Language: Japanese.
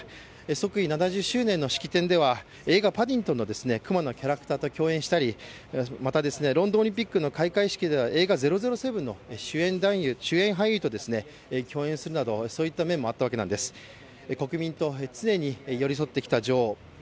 即位７０周年の式典では、映画「パディントン」のキャラクターと共演したり映画「００７」の主演俳優と共演するなどいった面もあったわけです、国民と常に寄り添ってきた女王。